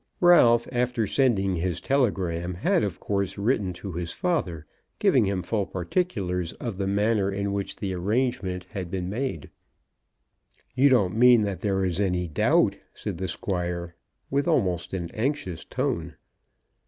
Ralph, after sending his telegram, had of course written to his father, giving him full particulars of the manner in which the arrangement had been made. "You don't mean that there is any doubt," said the Squire with almost an anxious tone.